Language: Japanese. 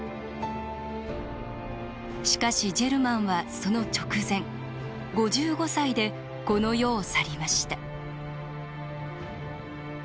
しかしジェルマンはその直前５５歳でこの世を去りました。